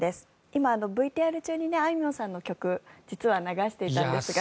今、ＶＴＲ中にあいみょんさんの曲を流していたんですが。